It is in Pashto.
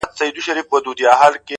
پرېميږده ؛ پرېميږده سزا ده د خداى؛